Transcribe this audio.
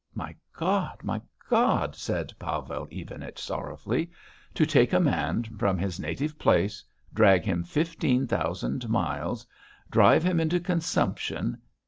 "My God, my God!" said Pavel Ivanich sorrowfully. "To take a man from his native place, drag him fifteen thousand miles, drive him into consumption